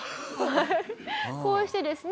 こうしてですね